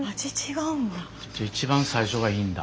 一番最初がいいんだ。